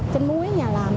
trên muối ở nhà làm